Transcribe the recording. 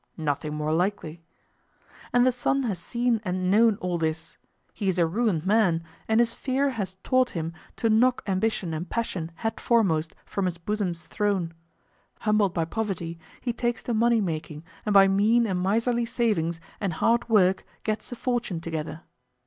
Nothing more likely. And the son has seen and known all this—he is a ruined man, and his fear has taught him to knock ambition and passion headforemost from his bosom's throne; humbled by poverty he takes to money making and by mean and miserly savings and hard work gets a fortune together.